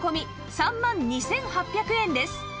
３万２８００円です